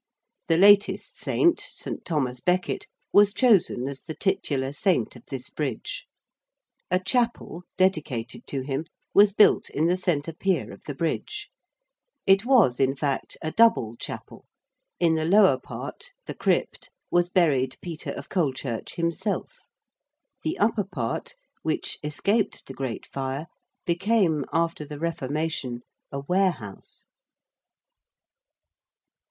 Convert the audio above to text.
The latest saint, St. Thomas Becket, was chosen as the titular saint of this Bridge. A chapel, dedicated to him, was built in the centre pier of the Bridge: it was, in fact, a double chapel: in the lower part, the crypt, was buried Peter of Colechurch himself: the upper part, which escaped the Great Fire, became, after the Reformation, a warehouse.